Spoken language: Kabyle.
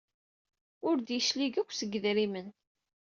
Ur d-yeclig akk seg yedrimen.